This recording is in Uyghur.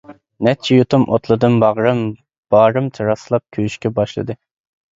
نەچچە يۇتۇم ئوتلىدىم، باغرىم، بارىم چاراسلاپ كۆيۈشكە باشلىدى.